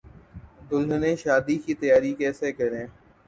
دلہنیں شادی کی تیاری کیسے کریں